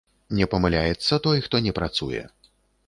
Не памыляецца той, хто не працуе.